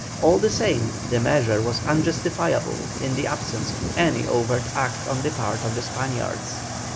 All the same, the measure was unjustifiable in the absence of any overt act on the part of the Spaniards.